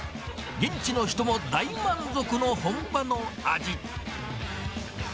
現地の人も大満足の本場の味。